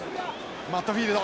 マットフィールド。